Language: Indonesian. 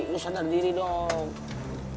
lo sadar diri dong